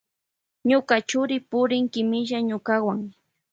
Ñuka churi purin kimilla ñukawan.